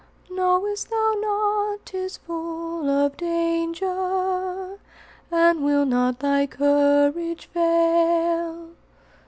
Knowest thou not 't is full of danger? And will not thy courage fail?"